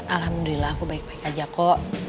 alhamdulillah aku baik baik aja kok